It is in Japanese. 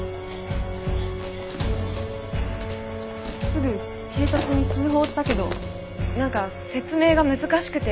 すぐ警察に通報したけどなんか説明が難しくて。